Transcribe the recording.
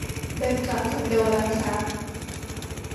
เดินกลับคอนโดแล้วครับ